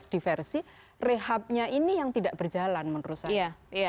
di versi rehabnya ini yang tidak berjalan menurut saya